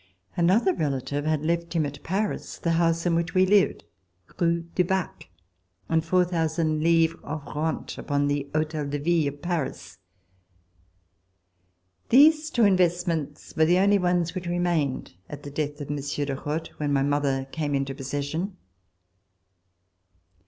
Another relative had left him, at Paris, the house in which we lived. Rue du Bac, and 4,000 livres of rentes upon the Hotel de Ville of Paris. These two investments were the only ones which remained at the death of Monsieur de Rothe, when my mother came into possession.